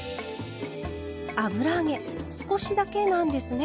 油揚げ少しだけなんですね。